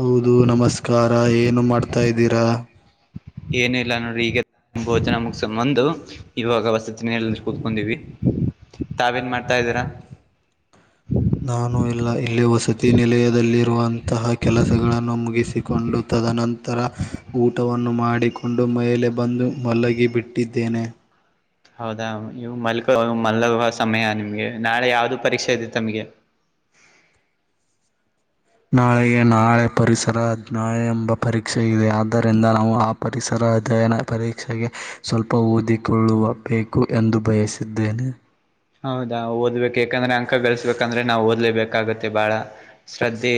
ಹೌದು ನಮಸ್ಕಾರ ಏನು ಮಾಡ್ತಾ ಇದ್ದೀರಾ. ಏನ ಇಲ್ಲ ನೋಡಿರೀಗ ಭೋಜನ ಮುಗಸ್ ಮಂದು ಇವಾಗ ವಸತಿ ನಲಯಲ್ಲಿ ಕೂತ್ಕೊಂದೀವಿ ತಾವೇನ್ ಮಾಡ್ತಾ ಇದ್ದೀರಾ. ನಾನು ಇಲ್ಲ ಇಲ್ಲಿ ವಸತಿ ನಿಲಯದಲ್ಲಿರುವನ್ ತಹ ಕೆಲಸಗಳನ್ನು ಮುಗಿಸಿಕೊಂಡು ತದನಂತರ. ಊಟವನ್ನು ಮಾಡಿಕೊಂಡು ಮೇಲೆ ಬಂದು ಮಲಗಿಬಿಟ್ಟಿದ್ದೇನೆ. ಹೌದಾ ಇವು ಮಲ್ ಮಲ್ಗುವ ಸಮಯ ನಿಮ್ಗೆ ನಾಳೆ ಯಾವ್ದು ಪರೀಕ್ಷೆ ಇದೆ ತಮಗೆ. ನಾಳೆಗೆ ನಾಳೆ ಪರಿಸರ ಹದ ನಾಳೆ ಎಂಬ ಪರೀಕ್ಷೆ ಇದೆ ಆದ್ದರಿಂದ ನಾವು ಆಪ್ ಪರಿಸರ ಅಧ್ಯಯನ ಪರೀಕ್ಷೆಗೆ. ಸ್ವಲ್ಪ ಓದಿಕೊಳ್ಳುವ ಬೇಕು ಎಂದು ಬಯಸಿದ್ದೇನೆ. ಹೌದಾ ಓದ್ಬೇಕು ಯಾಕಂದ್ರೆ ಅಂಕ ಗಳಿಸಸ್ಬೇಕಂದ್ರೆ ನಾವು ಓದಲೇಬೇಕಾಗತ್ತೆ ಬಾಳ. ಶ್ರದ್ಧೆ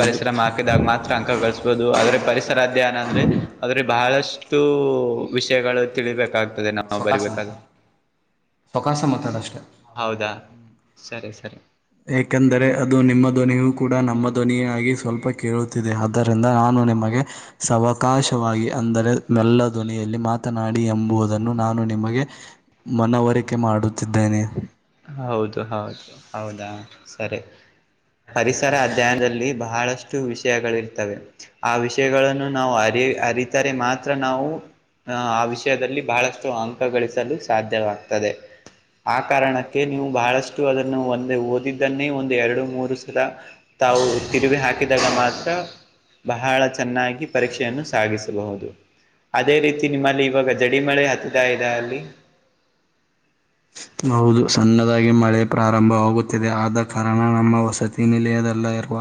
ಪರಿಶ್ರಮ ಹಾಕಿದಾಗ ಮಾತ್ರ ಅಂಕ ಗಳಿಸಬೋದು ಆದ್ರೆ ಪರಿಸರ ಅಧ್ಯಯನ ಅಂದ್ರೆ. ಆದ್ರೆ ಬಹಳಷ್ಟು ವಿಷಯಗಳು ತಿಳಬೇಕಾಗ್ತದೆ ನಾವು ಬರಿಬೇಕಾದ್ರೆ. ಸೌಕಸ ಮತಡಷ್ಟ. ಹೌದಾ ಸರಿ ಸರಿ. ಎಕೆಂದರೆ ಅದು ನಿಮ್ಮ ಧ್ವನಿಯೂ ಕೂಡ ನಮ್ಮ ಧ್ವನಿಯ ಆಗಿ ಸ್ವಲ್ಪ. ಕೇಳುತ್ತಿದೆ ಆದ್ದರಿಂದ ನಾನು ನಿಮಗೆ. ಸಾವಕಾಶವಾಗಿ ಅಂದರೆ ನೆಲ್ಲ ಧೊನಿಯಲ್ಲಿ ಮಾತನಾಡಿ ಎಂಬುದನ್ನು ನಾನು ನಿಮಗೆ. [inaudible] ಮನವರಿಕೆ ಮಾಡುತ್ತಿದ್ದೇನೆ. ಹೌದು ಹೌದು ಹೌದಾ ಸರಿ. ಪರಿಸರ ಅಧ್ಯಯನದಲ್ಲಿ ಬಹಳಷ್ಟು ವಿಷಯಗಳಿರ್ತವೆ. ಆ ವಿಷಯಗಳನ್ನು ನಾವು ಅರಿ ಅರಿತರೆ ಮಾತ್ರ ನಾವು. ಆ ಆ ವಿಷಯದಲ್ಲಿ ಬಹಳಷ್ಟು ಅಂಕ ಗಳಿಸಲು ಸಾಧ್ಯವಾಗ್ತದೆ. ಆ ಕಾರಣಕ್ಕೆ ನೀವು ಬಹಳಷ್ಟು ಅದನ್ನು ಒಂದ ಓದಿದ್ದನ್ನೇ ಒಂದು ಎರಡು ಮೂರು ಸಲ. ತಾವು ತಿರುವಿ ಹಾಕಿದಾಗ ಮಾತ್ರ ಬಹಳ ಚೆನ್ನಾಗಿ ಗಿ ಪರೀಕ್ಷೆಯನ್ನು ಸಾಗಿಸಬಹುದು ಅದೇ ರೀತಿ ನಿಮ್ಮಲ್ಲಿ ಇವಾಗ ಜಡಿ ಮಳೆ ಹತ್ತಿದಾ ಇದ ಅಲ್ಲಿ. ಹೌದು ಸಣ್ಣದಾಗಿ ಮಳೆ. ಪ್ರಾರಂಭವಾಗುತ್ತಿದೆ ಆದ ಕಾರಣ ನಮ್ಮ ವಸತಿ ನಿಲಯದಲ್ಲಿ ಇರುವ.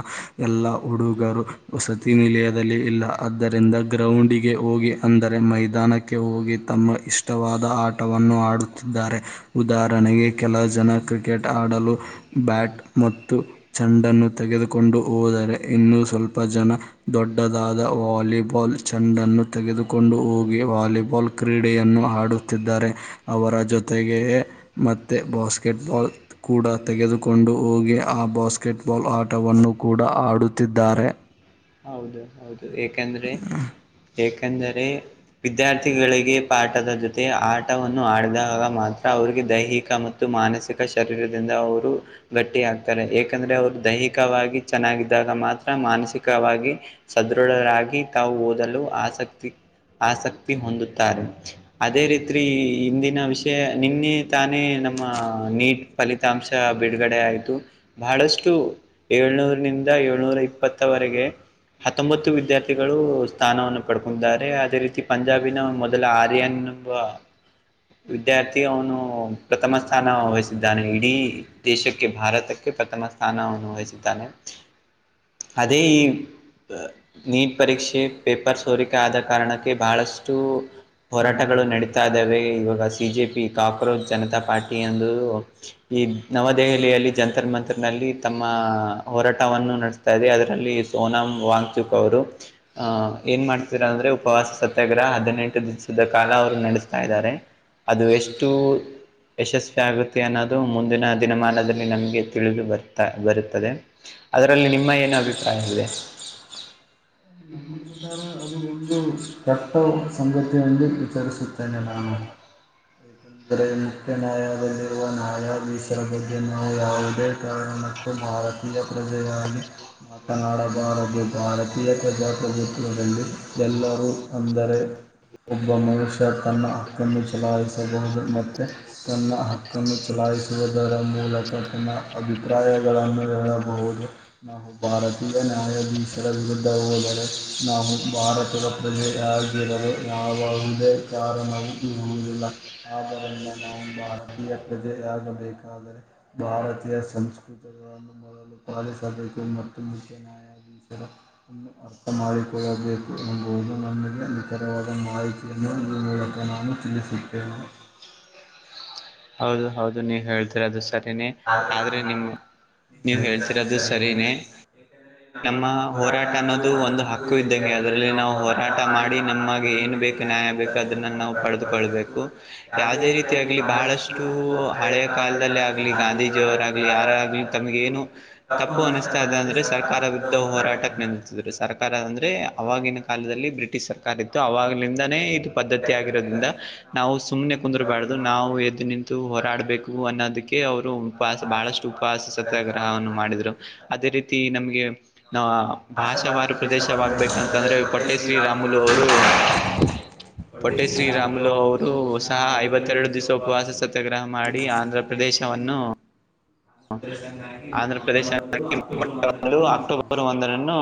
ಎಲ್ಲಾ ಹುಡುಗರು ವಸತಿ ನಿಲಯದಲ್ಲಿ ಇಲ್ಲ ಆದ್ದರಿಂದ. ಗ್ರೌಂಡಿಗೆ ಹೋಗಿ ಅಂದರೆ ಮೈದಾನಕ್ಕೆ ಹೋಗಿ ತಮ್ಮ ಇಷ್ಟವಾದ ಆಟವನ್ನು ಆಡುತ್ ತ್ತಿದಾರೆ ಉದಾಹರಣೆಗೆ ಕೆಲ ಜನ ಕ್ರಿಕೆಟ್ ಆಡಲು ಬ್ಯಾಟ್ ಮತ್ತು. ಚೆಂಡನ್ನು ತೆಗೆದುಕೊಂಡು ಹೋದರೆ ಇನ್ನು ಸ್ವಲ್ಪ ಜನ. ದೊಡ್ಡದಾದ ವಾಲಿಬಾಲ್ ಚೆಂಡನ್ನು ತೆಗೆದುಕೊಂಡು ಹೋಗಿ ವಾಲಿಬಾಲ್. ಕ್ರೀಡೆಯನ್ನು ಹಾಡುತ್ತಿದ್ದಾರೆ ಅವರ ಜೊತೆಗೆ ಮತ್ತೆ ಬಾಸ್ಕೆಟ್ಬಾಲ್ ಕೂಡಾ ತೆಗೆದುಕೊಂಡು ಹೋಗಿ ಆ ಬಾಸ್ಕೆಟ್ ಬಾಲ್ ಆಟವನ್ನು ಕೂಡಾ ಆಡುತ್ತಿದ್ದಾರೆ. ಹೌದು ಹೌದು ಏಕಂದ್ರೆ ಏಕಂದರೆ ವಿದ್ಯಾರ್ಥಿಗಳಿಗೆ ಪಾಠದ ಜೊತ್ ತೆ ಆಟವನ್ನು ಆಡಿದಾಗ ಮಾತ್ರ ಅವರಿಗೆ ದೈಹಿಕ ಮತ್ತು ಮಾನಸಿಕ ಶರೀರದಿಂದ ಅವರು ಗಟ್ಟಿ ಆಗ್ತಾರೆ ಏಕಂದರೆ ಅವ್ರು ದೈಹಿಕವಾಗಿ ಚೆನ್ನಾಗಿದ್ದಾಗ ಮಾತ್ರ ಮಾನಸಿಕ ಕವಾಗಿ ಸದೃಢರಾಗಿ ತಾವು ಓದಲು ಆಸಕ್ತಿ ಆಸಕ್ತಿ ಹೊಂದುತ್ತಾರೆ. ಅದೇ ರೀತ್ರಿ ಇಂದಿನ ವಿಷಯ ನಿನ್ನೆ ತಾನೇ ನಮ್ಮ ನೀಟ್ ಫಲಿತಾಂಶ ಬಿಡುಗಡೆ ಆಯಿತು ಬಹಳಷ್ಟು ಏಳ್ನೂರನಿಂದ ಏಳ್ನೂರ ಇಪ್ಪತ್ತು ವರೆಗೆ ಹತ್ತೊಂಬತ್ತು ವಿದ್ಯಾರ್ಥಿಗಳು ಸ್ಥಾನವನ್ನು ಪಡ್ಕೊಂಡಿದ್ದಾರೆ ಅದೇ ರೀತಿ ಪಂಜಾಬಿನ ಮೊದಲ ಆರ್ಯನ್ ನ ವಿದ್ಯಾರ್ಥಿ ಅವನು ಪ್ರಥಮ ಸ್ಥಾನ ವಹಿಸಿದ್ದಾನೆ ಇಡೀ ದೇಶಕ್ಕೆ ಭಾರತಕ್ಕೆ ಪ್ರಥಮ ಸ್ಥಾನವನ್ನು ವಹಿಸಿದ್ದಾನೆ. ಅದೇ ಈ ನೀಟ್ ಪರೀಕ್ಷೆ ಪೇಪರ್ ಸೋರಿಕೆ ಆದ ಕಾರಣಕ್ಕೆ ಬಹಳಷ್ಟು ಹೋರಾಟಗಳು ನಡೀತಾ ಇದ್ದಾವೆ ಇವಾಗ ಸಿಜೆಪಿ ಕಾಕ್ರೋಚ್ ಜನತಾ ಪಾರ್ಟಿ ಎಂದು ಈ ನವದೆಹಲಿಯಲ್ಲಿ ಜಂತರ ಮಂತರನಲ್ಲಿ ತಮ್ಮ ಹೋರಾಟವನ್ನು ನಡೆಸ್ತಾ ಇದೆ ಅದರಲ್ಲಿ ಸೋನಂ ವಾಂಗ್ಚುಕ್ ಅವರು ಅ ಏನ್ ಮಾಡ್ತೀರಾ ಅಂದ್ರೆ ಉಪವಾಸ ಸತ್ಯಾಗ್ರಹ ಹದಿನೆಂಟು ದಿವಸದ ಕಾಲ ಅವ್ರು ನಡಸ್ತಾ ಇದ್ದಾರೆ. ಅದು ಎಷ್ಟು ಯಶಸ್ವಿ ಆಗುತ್ತೆ ಅನ್ನೋದು ಮುಂದಿನ ದಿನಮಾನದಲ್ಲಿ ನಮಗೆ ತಿಳಿದು ಬರ್ತಾ ಬರುತ್ತದೆ. [unintelligible] ಎನ್ ಅಭಿಪ್ರಾಯ ಇದೆ. ಅದು ಒಂದು ಕೆಟ್ಟ ಸಂಗತಿಯೆಂದು ಪ್ರಚರಿಸುತ್ತೇನೆ ನಾನು ಹೌದನ ಆದರೆ ಮುಖ್ಯ ನ್ಯಾಯದಲ್ಲಿರುವ ನ್ಯಾಯಾಧೀಶರ ಬಗ್ಗೆ ನಾವು ಯಾವುದೇ ಕಾರಣಕ್ಕು ಭಾರತೀಯ ಕೃದಯಾನಿ ಮಾತನಾಡಬಾರದು ಭಾರತೀಯ ಪ್ರಜಾಪ್ರಭುತ್ವದಲ್ಲಿ ಎಲ್ಲರು ಅಂದರೆ ಒಬ್ಬ ಮನುಷ್ ತನ್ನ ಹಕ್ಕನ್ನು ಚಲಾಯಿಸಬಹುದು ಮತ್ತೆ ತನ್ನ ಹಕ್ಕನ್ನು ಚಲಾಯಿಸುವುದು ಅದರ ಮೂಲಕ ತನ್ನ ಅಭಿಪ್ರಾಯಗಳನ್ನು ಹೇಳ ಬಹುದು ನಾವು ಭಾರತೀಯ ನ್ಯಾಯಾಧೀಶರ ವಿರುದ್ಧ ಹೋದ ನಾವು ಭಾರತದ ಪ್ರಜೆ ಆಗಿರಲು ಯಾವವುದೇ ಕಾರಣವು ಇರುವುದಿಲ್ಲ ಆದ್ದರಿಂದ ನಾವು ಭಾರ ತೀಯ ಪ್ರಜೆಗಳಾಗಬೇಕಾದರೆ ಭಾರತೀಯ ಸಂಸ್ಕೃತಿಗಳನ್ನು ಮೋದಲು ಪಾಲಿಸಬೇಕು ಮತ್ತು ಮುಖ್ಯ ನ್ಯಾಯಾಧೀಶರ ಅನ್ನು ಅರ್ಥ ಮಾಡಿಕೊಳ್ಳಬೇಕು ಎಂಬುವುದು ನಮಗೆ ನಿಖರವಾದ ಮಾಹಿತಿಯನ್ನು ಈ ಮೂಲಕ ನಾನು ತಿಳಿಸುತ್ತೇನೆ. [unintelligible] ಹೌದು ಹೌದು ನೀವ್ ಹೇಳ್ತೀರೋದು ಸರಿನೇ ಆದ್ರೆ ನೀವು ನೀವ್ ಹೇಳ್ತಿರೋದು ಸರಿನೇ ನಮ್ಮ ಹೋರಾಟ ಅನ್ನೋದು ಒಂದು ಹಕ್ಕು ಇದ್ದಂಗೆ ಅದರಲ್ಲಿ ನಾವು ಹೋರಾಟ ಮಾಡಿ ನಮ್ಮಗೆ ಏನ್ ಬೇಕು ನ್ಯಾಯ ಬೇಕು ಅದನ್ನ ನಾವು ಪಡೆದುಕೊಳ್ಬೇಕು ಯಾವುದೇ ರೀತಿಯ ಆಗಲಿ ಬಹಳಷ್ಟು ಹಳೆ ಕಾಲದಲ್ಲಿ ಆಗ್ಲಿ ಗಾಂಧೀಜಿಯವರಾಗಲಿ ಯಾರಾಗ್ಲಿ ತಮಗೆ ಏನು ತಪ್ಪು ಅನಸ್ತಾ ಅದೇ ಅಂದ್ರೆ ಸರ್ ಸರ್ಕಾರ ವಿರುದ್ಧ ಹೋರಾಟಕ್ಕೆ ನೆಲ್ಲಸಿದ್ರ ಸರ್ಕಾರ ಅಂದ್ರರೆ ಆವಾಗಿನ ಕಾಲದಲ್ಲಿ ಬ್ರಿಟಿಷ್ ಸರ್ಕಾರ ಇತ್ತು ಆಾಗಲಿಂದಾನೇ ಇದು ಪದ್ಧತಿ ಆಗಿರೋದ್ರಿಂದ ನಾವು ಸುಮ್ನೆ ಕುಂದರಬಾರ್ದು ನಾವು ಎದ್ದು ನಿಂತು ಹೋರಾಡ್ಬೇಕು ಅನ್ನೋದುಕ್ ಕ್ಕೆ ಅವ್ರು ಉಪಾಸ್ ಬಹಳಷ್ಟು ಉಪವಾಸ ಸತ್ಯಾಗ್ರಹವನ್ನು ಮಾಡಿದ್ರು ಅದೇ ರೀತಿ ನಮಗೆ ನಾ ಭಾಷಾವಾರು ಪ್ರದೇಶವಾಗ್ಬೇಕಂತಂದ್ರೆ ಪಟ್ಟೆ ಶ್ರೀರಾಮುಲು ಅವ್ರು ಪೊಟ್ಟೆ ಶ್ರೀರಾಮುಲು ಅವ್ರು ಸಹ ಐವತ್ತೆರಡು ದಿವಸ ಉಪವಾಸ ಸತ್ಯಾಗ್ರಹ ಮಾಡಿ ಆಂಧ್ರಪ್ ಪ್ರದೇಶವನ್ನು ಆಂಧ್ರ ಪ್ರದೇಶ ಅಕ್ಟೋಬರ್ ಒಂದರನ್ನು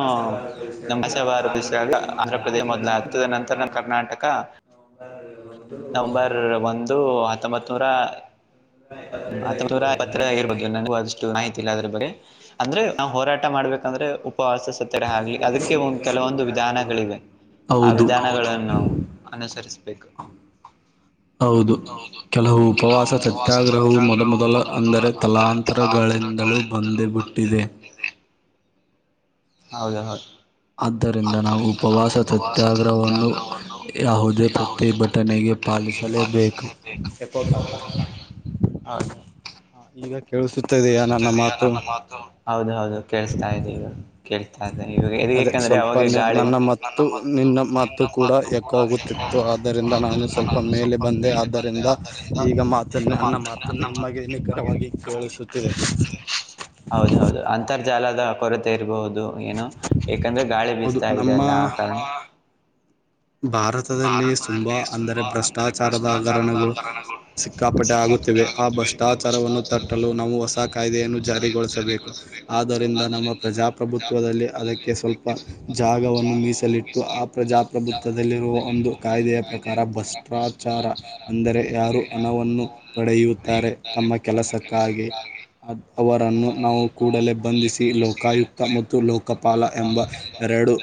ನಮಸೆ ಬಾರು ಬಿಸಾಗ ಆಂಧ್ರ ಪ್ರ್ರದೇ ಮೊದ್ಲ ಆಗ್ತದೆ ನಂತರ ನಮ್ಮ್ ಕರ್ನಾಟಕ ನಂಬರ್ ಒಂದು ಹತ್ತೊಂಬತ್ ನೂರ ಹ್ಮ್ [unintelligible] ನನಗು ಅಷ್ಟು ಮಾಹಿತಿ ಇಲ್ಲ ಅದ್ರು ಬಗ್ಗೆ ಅಂದ್ರೆ ನಾವು ಹೋರಾಟ ಮಾಡ್ಬೇಕ್ ಯಾಕಂದ್ರೆ ಉಪವಾಸ ಸತ್ಯಾಗ್ರಹ ಆಗ್ಲಿ ಅದಿಕ್ಕೆ ಒಂದ್ ಕೆಲವೊಂದ್ ವಿಧಾನಗಳಿವೆ ಆ ವಿಧಾನಗಳನ್ನು ಅನುಸರಿಸ್ಬೇಕು ಹೌದು ಕೆಲವು ಉಪವಾಸ ಸತ್ಯಾಗ್ರಹವು ಮೊದ ಮೊದಲ ಅಂದರೆ ತಲ್ ಲಾಂತರಗಳಿಂದಲೂ ಬಂದೇಬಿಟ್ಟಿದೆ ಹೌದು ಹೌ ಆದ್ದರಿಂದ ನಾವು ಉಪವಾಸ ಸತ್ಯಾಗ್ರಹವನ್ನು ಯಾವುದೇ ಪ್ರತಿಭಟನೆಗೆ ಪಾಲಿಸಲೇಬೇಕು [unintelligible] ಹೌದು ಈಗ ಕೇಳಿಸುತ್ತ ಇದೆಯ ನನ್ನ ಮಾತು ಹೌದು ಹೌದು ಕೇಳ್ಸ್ತಾ ಇದೆ ಈವಾಗ ಕೇಳ್ತಾ ಇದೆ [unintelligible] ಯಾಕಂದ್ರೆ ಅವ್ರಿಗ್ ಗಾಳಿ ನನ್ನ ಮತ್ತು ನಿನ್ನ ಮಾತು ಕೂಡ ಎಕೋ ಆದ್ದರಿಂದ ನಾನು ಸ್ವಲ್ಪ ಮೇಲೆ ಬಂದೆ ಆದ್ದರಿಂದ ಈಗ ಮಾತ ನನ್ನ ಮಾತು ನಿಮಗೆ [unintelligible] ಕೇಳಿಸುತ್ತಿದೆ ಹೌದೌದು ಅಂತರ್ಜಾಲದ ಕೊರತೆ ಇರಬಹುದು ಏನು ಯಾಕಂದ್ರೆ ಗಾಳಿ ಬಿಸ್ತಾ ಇದೆಲ್ಲ [unintelligible] ಭಾರತ್ ತದಲ್ಲಿ ಸುಂಬಾ ಅಂದರೆ ಭ್ರಷ್ಟಾಚಾರದ ಹಗರಣಗಳು ಸಿಕ್ಕಾಪಟೆ ಆಗುತ್ತಿವೆ ಆ ಬಶ್ ತ್ಯಾಚಾರವನ್ನು ತಟ್ಟಲು ನಾವು ಹೊಸ ಕಾಯ್ದೆಯನ್ನು ಜಾರಿಗೊಳಿಸಬೇಕು ಆದ್ದರಿಂದ ನಮ್ಮ ಪ್ರಜಾ ಪ್ರಭುತ್ವದಲ್ಲಿ ಅದುಕ್ಕೆ ಸ್ವಲ್ಪ ಜಾಗವನ್ನು ಮೀಸಲಿಟ್ಟು ಆ ಪ್ರಜಾಪ್ರಭುತ್ವದಲ್ಲಿ ಒಂದು ಕಾಯ್ದೆಯ ಪ್ರಕಾರ ಭಷ್ಟ್ರಾಚಾರ ಅಂದರೆ ಯಾರು ಹಣವನ್ನು ಪಡೆಯುತ್ತಾರೆ ತಾರೆ ನಮ್ಮ ಕೆಲಸಕ್ಕಾಗಿ ಅದ್ ಅವರನ್ನು ನಾವು ಕೂಡಲೇ ಬಂಧಿಸಿ ಲೋಕಾಯುಕ್ತ ಮತ್ತು ಲೋಕಪಾಲ ಎಂಬ ಎರಡು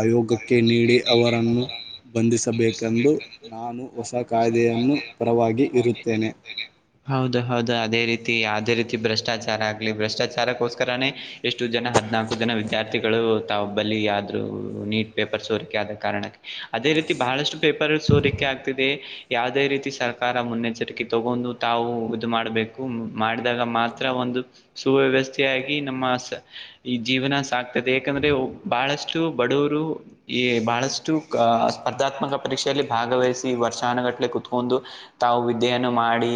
ಆಯೋಗಕ್ಕೆ ನೀಡಿ ನೀಡಿ ಅವರ ಬಂಧಿಸಬೇಕೆಂದು ನಾನು ಹೊಸ ಕಾಯ್ದೆಯನ್ನು ಪರವಾಗಿ ಇರುತ್ತೇನೆ ಹೌದು ಹೌದು ಅದೇ ರೀತಿ ಯಾವ್ದೇ ರೀತಿ ಭ್ರಷ್ಟಾಚಾರ ಆಗ್ಲಿ ಭ್ರಷ್ಟಾಚಾರಕ್ಕೋಸ್ಕರನೇ ಎಷ್ಟು ಜನ ಹದ್ನಾಲ್ಕು ಜನ ವಿದ್ಯಾರ್ಥಿಗಳು ತಾವ್ ಬಲಿ ಆದ್ರು ನೀಟ್ ಪೇಪರ್ ಸೋರಿಕೆ ಆದ ಕಾರಣಕ್ಕೆ ಅದೇ ರೀತಿ ಬಹಳಷ್ಟು ಪೇಪರ್ ಸೋರಿಕೆ ಆಗ್ತಿದೆ ಯಾವುದೇ ರೀತಿ ಸರ್ಕಾರ ಮುನ್ನೆಚ್ಚರಿಕೆ ತೊಗೊಂದು ತಾವು ಇದು ಮಾಡ್ಬೇಕು ಮಾಡಿದಾಗ ಮಾತ್ರ ಒಂದು ಸುವ್ಯವಸ್ಥೆೆಯಾಗಿ ನಮ್ಮ ಸ ಈ ಜೀವನ ಸಾಕ್ತದೆ ಯಾಕಂದ್ರೆ ಬಹಳಷ್ಟು ಬಡವರು ಈ ಬಹಳಷ್ಟು ಕಾ ಸ್ಪರ್ಧಾತ್ಮಕ ಪರೀಕ್ಷೆಯಲ್ಲಿ ಭಾಗವಹಿಸಿ ವರ್ಷಾನುಗಟ್ಟಲೆ ಕುತ್ಕೊಂದು ತಾವು ವಿದ್ಯೆಯನ್ನು ಮಾಡಿ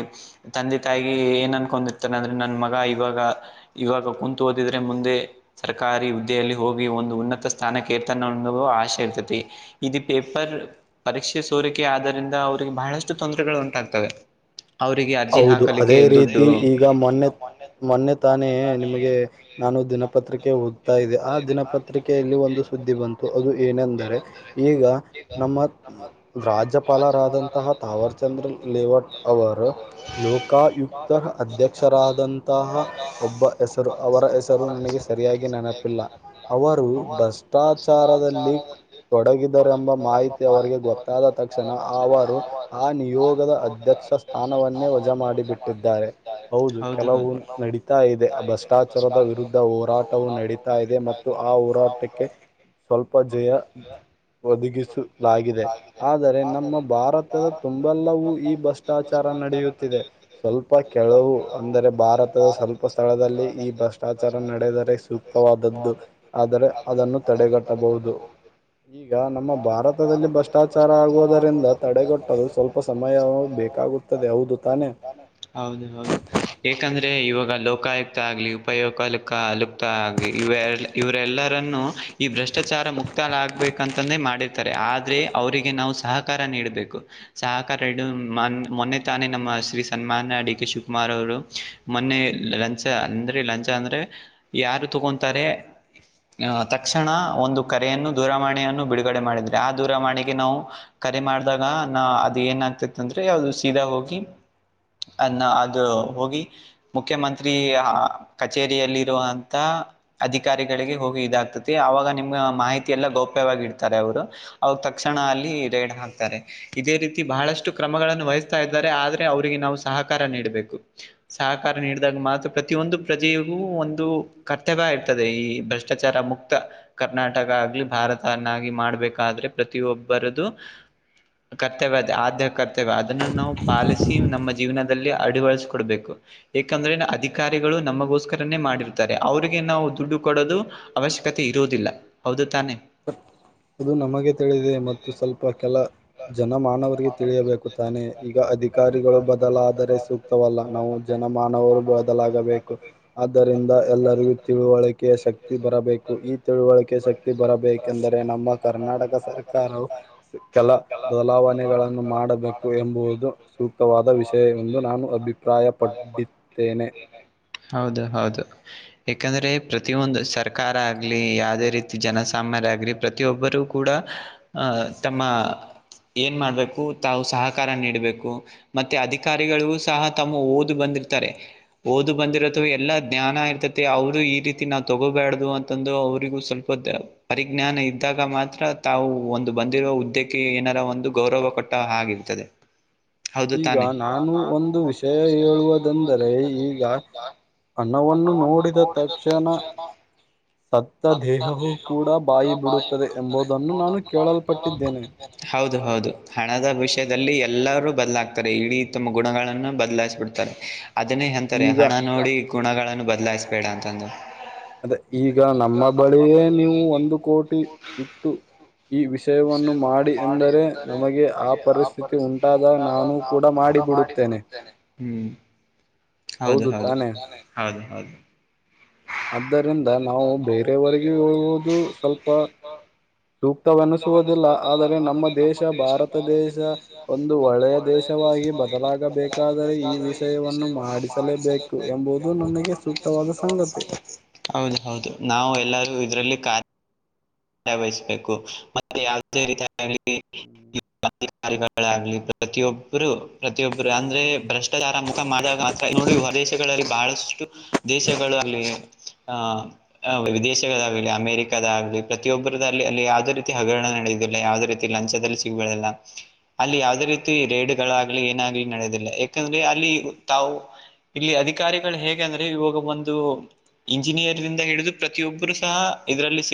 ತಂದೆ ತಾಯಿಗೆ ಏನ್ ಅನ್ಕೊಂಡಿರ್ತಾರೆ ಅಂದ್ರೆ ನನ್ ಮಗ ಇವಾಗ ಇವಾಗ ಕುಂತ್ ಓದಿದ್ರೆ ಮುಂದೆ ಸರ್ಕಾರಿ ಹುದ್ದೆಯಲ್ಲಿ ಹೋಗಿ ಒಂದು ಉನ್ನತ ಸ್ಥಾನಕ್ಕೆ ಏರ್ತಾನೋ ಅನ್ನೋದು ಆಶೆ ಇರ್ತತಿ ಇದು ಪೇಪರ್ ಪರೀಕ್ಷೆ ಸೋರಿಕೆ ಆದರಿಂದ ಅವರಿಗೆ ಬಹಳಷ್ಟು ತೊಂದರೆಗಳು ಉಂಟಾಗ್ತವೆ ಹೌದು ಅದೇ ರೀತಿ ಈಗ ಮೊನ್ನೆ ಮೊನ್ನೆ ತಾನೇ ನಿಮಗೆ ನಾನು ದಿನಪತ್ರಿಕೆ ಓದ್ತಾ ಇದೆ ಆ ದಿನಪತ್ರಿಕೆಯಲ್ಲಿ ಒಂದು ಸುದ್ದಿ ಬಂತು ಅದು ಏನೆಂದರೆ ಈಗ ನಮ್ಮ ರಾಜ್ಯಪಾಲರಾದಂತಹ ತಾವರ್ ಚಂದ್ರ ಲೇವಟ್ ಅವರು ಲೋಕಾಯುಕ್ತ ಅಧ್ಯಕ್ಷರಾದಂತಹ ಒಬ್ಬ ಹೆಸರು ಅವರ ಹೆಸರು ನನಗೆ ಸರಿಯಾಗಿ ನೆನಪಿಲ್ಲ ಅವರು ಭ್ರಷ್ಟಾಚಾರದಲ್ಲಿ ತೊಡಗಿದ ಎಂಬ ಮಾಹಿತಿ ಅವರಿಗೆ ಗೊತ್ತಾದ ತಕ್ಷಣ ಅವರು ಆ ನಿಯೋಗದ ಅಧ್ಯಕ್ಷ ಸ್ಥಾನ ವನ್ನೇ ವಜಾ ಮಾಡಿಬಿಟ್ಟಿದ್ದಾರೆ ಹೌದು ಕೆಲವು ನಡೀತಾ ಇದೆ ಅಭಸ್ ಕಾಚಾರದ ವಿರುದ್ಧ ಹೋರಾಟವು ನಡ ಇದೆ ಮತ್ತು ಆ ಹೋರಾಟಕ್ಕೆ ಸ್ವಲ್ಪ ಜಯ ಒದಗಿಸ ಲಾಗಿದೆ ಆದರೆ ನಮ್ಮ ಭಾರತದ ತುಂಬೆಲ್ಲವೂ ಈ ಬಸ್ಾಚ ವಿಚಾರ ನಡೆಯುತ್ತಿದೆ ಸ್ವಲ್ಪ ಕೆಲವು ಅಂದರೆ ಭಾರತದ ಸ್ವಲ್ಪ ಸ್ಥಳದಲ್ಲಿ ಈ ಬಸ್ ಶ್ರಷ್ಟಾಚಾರ ನಡೆದರೆ ಸೂಕ್ತವಾದದ್ದು ಆದರೆ ಅದನ್ನು ತಡೆಗಟ್ಟಬಹುದು ಈಗ ನಮ್ಮ ಭಾರತದಲ್ಲಿ ಭ್ರಷ್ಟಾಚಾರ ಆಗುವುದರಿಂದ ತಡೆಗಟ್ಟಲು ಸ್ವಲ್ಪ ಸಮಯವು ಬೇಕಾಗುತ್ತ ಪಾನ ಹೌದು ಹೌದು ಯಾಕಂದ್ರೆ ಇವಾಗ ಲೋಕಾಯುಕ್ತ ಆಗ್ಲಿ ಉಪಯೋಕಾಲಕ್ಕ ಲುಕ್ತಾ ಆಗ್ಲಿ ಇವೆರ್ಡ್ ಇವರೆಲ್ಲರನ್ನು ಈ ಭ್ರಷ್ಟಾಚಾರ ಮುಕ್ತಾಲ ಆಗ್ಬೇಕಂತ್ ತಂದೆ ಮಾಡಿರ್ತಾರೆ ಆದ್ರೆ ಅವರಿಗೆ ನಾವು ಸಹಕಾರ ನೀಡಬೇಕು ಸಹಕಾರಡು ಮ ಮೊನ್ನೆ ತಾನೇ ನಮ್ಮ ಶ್ರೀ ಸನ್ಮಾಾನ ಡಿ ಕೆ ಶಿವಕುಮಾರ್ ಅವರು ಮೊನ್ನೆ ಲಂಚ ಅಂದ್ರೆ ಲಂಚ ಅಂದ್ರೆ ಯಾರು ತಗೊತಾರೆ ಆಹ ತಕ್ಷಣ ಒಂದು ಕರೆಯನ್ನು ದೂರವಾಣಿಯನ್ನು ಬಿಡುಗಡೆ ಮಾಡಿದ್ರೆ ಆ ದೂರವಾಣಿಗೆ ನಾವು ಕರೆ ಮಾಡ್ದಾಗ ನ ಅದ ಏನ್ ಆಗ್ತತಿ ಅಂದ್ರೆ ಅದು ಸೀದಾ ಹೋಗಿ ಅನ್ನ ಅದು ಹೋಗಿ ಮುಖ್ಯಮಂತ್ರಿ ಕಚೇರಿಯಲ್ಲಿರುವಂಥ ಅಧಿಕಾರಿಗಳಿಗೆ ಹೋಗಿ ಇದಾಗ್ತತಿ ಅವವಾಗ ನಿಮ್ ಮಾಹಿತಿ ಎಲ್ಲಾ ಗೌಪ್ಯವಾಗಿಡ್ತ ಅವರು ಅವಾಗ ತಕ್ಷಣ ಅಲ್ಲಿ ರೇಡ್ ಹಾಕ್ತಾರೆ ಇದೇ ರೀತಿ ಬಹಳಷ್ಟು ಕ್ರಮಗಳನ್ನು ವಹಿಸ್ತಾ ಇದ್ದಾರೆ ಆದ್ರೆ ಅವರಿಗೆ ನಾವು ಸಹಕಾರ ನೀಡಬೇಕು ಸಹಕಾರ ನೀಡಿದಾಗ ಮಾತ್ರ ಪ್ರತಿಯೊಂದು ಪ್ರಜೆಗೂ ಒಂದು ಕರ್ತವ್ಯ ಇರ್ತದೆ ಈ ಭ್ರ ಾಚಾರ ಮುಕ್ತ ಕರ್ನಾಟಕ ಆಗ್ಲಿ ಭಾರತ ಮಾಡಬೇಕಾದ್ರೆ ಪ್ರತಿಯೊಬ್ಬರ ಕರ್ತವ್ಯ ಅದೆ ಆದ್ಯ ಕರ್ತವ್ಯ ಅದನ್ನು ನಾವು ಪಾಲಿಸಿ ನಮ್ಮ ಜೀವನದಲ್ಲಿ ಅಡಿವಡಿಸಕೊಡ್ಬೇಕು ಯಾಕಂದ್ರೆ ಅಧಿಕಾರಿಗಳು ನಮಗೋಸ್ಕರನೇ ಮಾಡಿರ್ತಾರೆ ಅವ್ರಿಗೆ ನಾವು ದುಡ್ಡು ಕೊಡದು ಅವಶ್ಯಕತೆ ಇರುವುದಿಲ್ಲ ಹೌದು ತಾನೆ ಹ ಅದು ನಮಗೆ ತಿಳಿದೆ ಮತ್ತು ಸ್ವಲ್ಪ ಕೆಲ ಜನ ಮಾನವರಿಗೆ ತಿಳಿಯಬೇಕು ತಾನೆ ಈಗ ಅಧಿಕಾರಿಗಳು ಬದಲಾದರೆ ಸೂಕ್ತವಲ್ಲ ನಾವು ಜನ ಮಾನವರು ಬದಲಾಗಬೇಕು ಆದ್ದರಿಂದ ಎಲ್ಲರಿಗೂ ತಿಳುವಳಿಕೆಯ ಶಕ್ತಿ ಬರಬೇಕು ಈ ತಿಳುವಳಿಕೆ ಶಕ್ತಿ ಬರ ಬೇಕೆಂದರೆ ನಮ್ಮ ಕರ್ನಾಟಕ ಸರ್ಕಾರವು ಕೆಲ ಬದಲಾವಣೆಗಳನ್ನು ಮಾಡಬೇಕು ಎಂಬುದು ಸೂಕ್ತವಾದ ವಿಷಯ ಎಂದು ನಾನು ಅಭಿಪ್ರಾಯಪಡಿದ್ದೇನೆ ಹೌದು ಹೌದು ಯಾಕಂದ್ರೆ ಪ್ರತಿಯೊಂದು ಸರ್ಕಾರ ಆಗ್ಲಿ ಯಾವದೇ ರೀತಿ ಜನಸಾಮಾನ್ಯ ಆಗ್ಲಿ ಪ್ರತ್ ಪ್ರತಿಯೊಬ್ಬರೂ ಕೂಡ ಅಹ್ ತಮ್ಮ ಏನ್ ಮಾಡ್ಬೇಕು ತಾವು ಸಹಕಾರ ನೀಡಡ್ಬೇಕು ಮತ್ತೆ ಅಧಿಕಾರಿಗಳು ಸಹ ತಮ್ಮ ಓದು ಬಂದಿರ್ತಾರೆ ಓದು ಬಂದಿರತ್ತದು ಎಲ್ಲ ಜ್ಞಾನ ಇರ್ತತಿ ಅವರು ಈ ರೀತಿ ನಾವು ತೊಗೋಬೇ್ದು ಅಂತಂದು ಅವ್ರಿಗೂ ಸ್ವಲ್ಪ್ ಗೊತ್ ಪರಿಜ್ಞಾನ ಇದ್ದಾಗ ಮಾತ್ರ ತಾವು ಒಂದು ಬಂದಿರುವ ಹುದ್ದಕ್ಕೆ ಏನಾರ ಒಂದು ಗೌರವ ಕೊಟ್ಟ ಹಾಗೆ ಇರುತ್ತದೆ ಹೌದು ತಾನೆ ಈಗ ನಾನು ಒಂದು ವಿಷಯ ಹೇಳುವುದೆಂದರೆ ಈಗ ಅನ್ನವನ್ನು ನೋಡಿದ ತಕ್ಷಣ ಸತ್ತ ದೇಹವು ಕೂಡ ಬಾಯಿ ಬಿಡುತ್ತದೆ ಎಂಬುದನ್ನು ನಾನು ಕೇಳಲ್ಪಟ್ಟಿದ್ದೇನೆ ಹೌದು ಹೌದು ಹಣದ ವಿಷಯದಲ್ಲಿ ಎಲ್ಲರೂ ಬದ್ಲಾಗ್ತಾರೆ ಇಡೀ ತಮ್ಮ ಗುಣಗಳನ್ನ ಬದಲಾಯಿಸ ಬಿಡ್ತಾರೆ ಅದನ್ನೇ ಹೆಂತಾರೆ ಹಣ ನೋಡಿ ಗುಣಗಳನ್ನು ಬದಲಾಯಿಸಬೇಡ ಅಂತ ಅದೇ ಈಗ ನಮ್ಮ ಬಳಿಯೇ ನೀವು ಒಂದು ಕೋಟಿ ಇಟ್ಟು ಈ ವಿಷಯವನ್ನು ಮಾಡಿ ಎಂದರೆ ನಮಗೆ ಆ ಪರಿಸ್ಥಿತಿ ಉಂಟಾದಗ ನಾನು ಕೂಡ ಮಾಡಿಬಿಡುತ್ತೇನೆ ಹ್ಮ್ ಹೌದು ಹೌದು ಹೌದು ಹೌದು ಆದ್ದರಿಂದ ನಾವು ಬೇರೆಯವರೆ ಹೇಳುವುದು ಸ್ವಲ್ಪ ಸೂಕ್ತವೆನಿಸುವುದಿಲ್ಲ ಆದರೆ ನಮ್ಮ ದೇಶ ಭಾರತ ದೇಶ ಒಂದು ಒಳ್ಳೆಯ ದೇಶವಾಗಿ ಬತ್ ಬದಲಾಗಬೇಕಾದರೆ ಈ ವಿಷಯವನ್ನು ಮಾಡಿಸಲೇಬೇಕು ಎಂಬುದು ನನಗೆ ಸೂಕ್ತವಾದ ಸನ್ ಹೌದ ಹೌದು ನಾವು ಎಲ್ಲರೂ ಇದರಲ್ಲಿ ಕಾರ್ ಬಾಗವಾಯಿಸಬೇಕು ಮತ್ತೆ ಯಾವದೇ ರೀತಿ ಆಗ್ಲಿ ಅಧಿಕಾರಿಗಳಾಗ್ಲಿ ಪ್ರತಿಯೊಬ್ಬರು ಪ್ರತಿಯೊಬ್ಬರು ಅಂದ್ರೆ ಭ್ರಷ್ಟಾಚಾರ ಮಾಡಾಗ ಮಾತ್ರ ನೋಡಿ ಹೊ ದೇಶಗಳಲ್ಲಿ ಬಹಳಷ್ಟು ದೇಶಗಳಾಗಲಿ ಆಹ ವಿದೇಶಗಳಾಗಲಿ ಅಮೇರಿಕದಾಗಲಿ ಪ್ರತಿಯೊಬ್ಬರ ಅಲ್ಲಿ ಯಾವುದೇ ರೀತಿ ಹಗರಣ ನಡೆದುದಿಲ್ಲ ಯಾವ್ದೇ ರೀತಿ ಲಂಚದಲ್ಲಿ ಸಿಗುವಲ್ಲ ಪ್ರತ್ ಅಲ್ಲಿ ಯಾವದೇ ರೀತಿ ರೇಡ್ಗಳಾಗ್ಲಿ ಏನಾಗ್ಲಿ ನಡೆದಿಲ್ಲ ಯಾಕಂದ್ರೆ ಅಲ್ಲಿ ತಾವು ಇಲ್ಲಿ ಅಧಿಕಾರಿಗಳು ಹೇಗೆ ಅಂದ್ರೆ ಇವಾಗ ಒಂದು ಇಂಜಿನಿಯರ್ಂದ ಹಿಡಿದು ಪ್ರತಿಯೊಬ್ಬರು ಸಹ ಇದರಲ್ಲಿ ಸಿಕ್